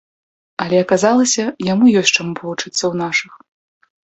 Але аказалася, яму ёсць чаму павучыцца ў нашых.